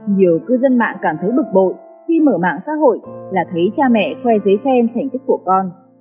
nhiều cư dân mạng cảm thấy bực bội khi mở mạng xã hội là thấy cha mẹ khoe giấy khen thành tích của con